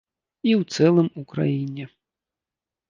І ў цэлым у краіне.